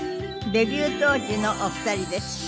デビュー当時のお二人です。